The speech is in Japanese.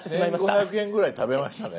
１，５００円ぐらい食べましたね。